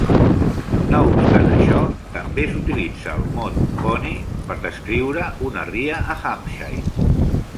No obstant això, també s'utilitza el mot "bunny" per descriure una ria a Hampshire.